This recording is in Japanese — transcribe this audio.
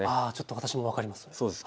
私も分かります。